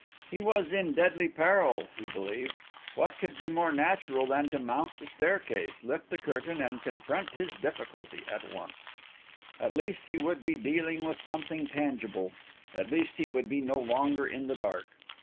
He was in deadly peril, he believed. What could be more natural than to mount the staircase, lift the curtain, and confront his difficulty at once? At least he would be dealing with something tangible; at least he would be no longer in the dark.